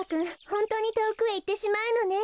ホントにとおくへいってしまうのね。